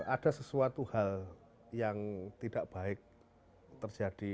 ada sesuatu hal yang tidak baik terjadi